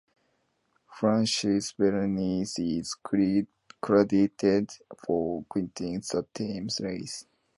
Francois Bernier is credited for coining the term "race".